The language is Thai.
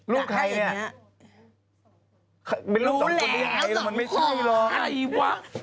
รูแหละมันไม่ใช่หรอก